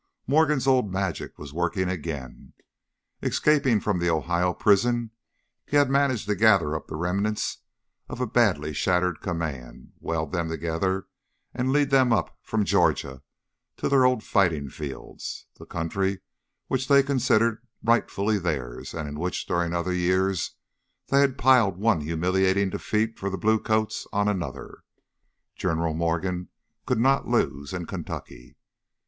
Morgan's old magic was working again. Escaping from the Ohio prison, he had managed to gather up the remnants of a badly shattered command, weld them together, and lead them up from Georgia to their old fighting fields the country which they considered rightfully theirs and in which during other years they had piled one humiliating defeat for the blue coats on another. General Morgan could not lose in Kentucky!